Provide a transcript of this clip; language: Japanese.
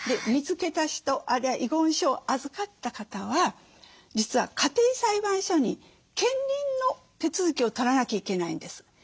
見つけた人あるいは遺言書を預かった方は実は家庭裁判所に検認の手続きを取らなきゃいけないんです。